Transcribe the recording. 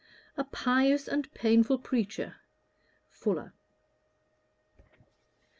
"A pious and painful preacher." FULLER.